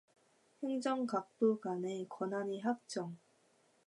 행정각부간의 권한의 획정